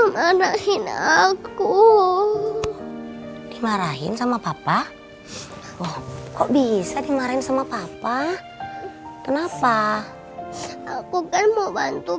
mana sina aku dimarahin sama papa wah kok bisa dimarahin sama papa kenapa aku kan mau bantu